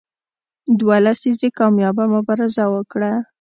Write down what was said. دوه لسیزې کامیابه مبارزه وکړه.